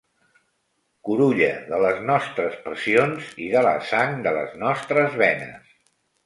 Curulla de les nostres passions i de la sang de les nostres venes.